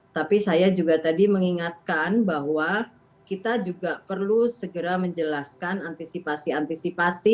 tapi saya juga tadi mengingatkan bahwa kita juga perlu segera menjelaskan antisipasi antisipasi